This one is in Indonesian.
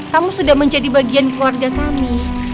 kamu sudah menjadi bagian keluarga kami